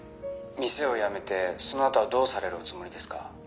「店をやめてそのあとはどうされるおつもりですか？」